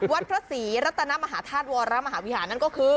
วัดพระศรีรัตนมหาธาตุวรมหาวิหารนั่นก็คือ